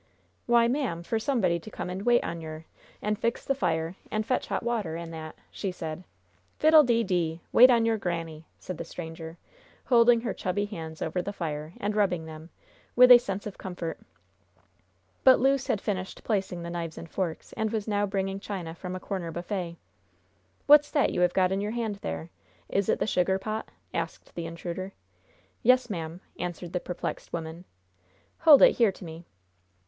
"Why, ma'am, for somebody to come an' wait on yer, an' fix the fire, an' fetch hot water, an' that," she said. "Fiddle de dee! Wait on your granny!" said the stranger, holding her chubby hands over the fire, and rubbing them, with a sense of comfort. But Luce had finished placing the knives and forks, and was now bringing china from a corner buffet. "What's that you have got in your hand there? Is it the sugar pot?" asked the intruder. "Yes, ma'am," answered the perplexed woman. "Hold it here to me."